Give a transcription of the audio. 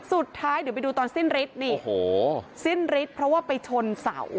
สุดท้ายเดี๋ยวไปดูตอนสิ้นฤทธิ์นี่โอ้โหสิ้นฤทธิ์เพราะว่าไปชนเสา